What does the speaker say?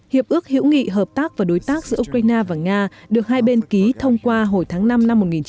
hiệp ước hữu nghị hợp tác và đối tác giữa ukraine và nga được hai bên ký thông qua hồi tháng năm năm một nghìn chín trăm tám mươi